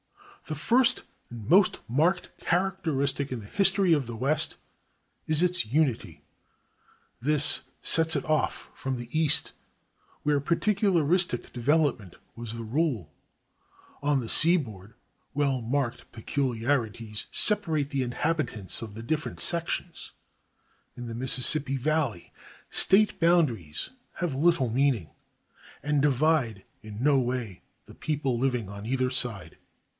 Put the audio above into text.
The first and most marked characteristic in the history of the West is its unity. This sets it off from the East, where particularistic development was the rule. On the seaboard, well marked peculiarities separate the inhabitants of the different sections. In the Mississippi Valley, State boundaries have little meaning, and divide in no way the people living on either side.